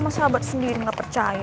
sama sahabat sendiri nggak percaya